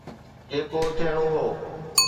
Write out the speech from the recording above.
جيڪو ٿيڻو هو.